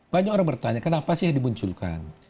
banyak orang bertanya kenapa sih yang dimunculkan